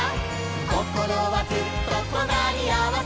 「こころはずっととなりあわせ」